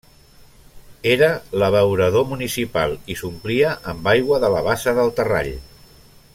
Era l'abeurador municipal i s'omplia amb aigua de la bassa del Terrall.